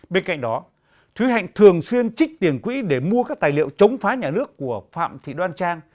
bên cạnh đó thúy hạnh thường xuyên trích tiền quỹ để mua các tài liệu chống phá nhà nước của phạm thị đoan trang